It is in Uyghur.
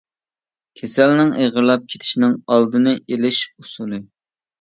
كېسەلنىڭ ئېغىرلاپ كېتىشنىڭ ئالدىنى ئېلىش ئۇسۇلى.